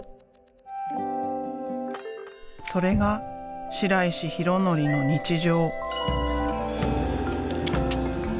それが白石裕則の日常。